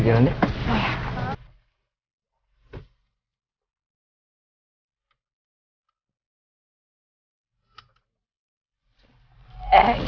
gak ada apa apa